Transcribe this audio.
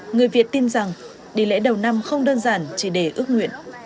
người việt tin rằng đi lễ đầu năm không đơn giản chỉ để ước nguyện